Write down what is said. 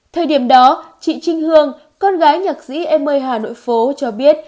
thời điểm đó chị trinh hương con gái nhạc sĩ em ơi hà nội phố cho biết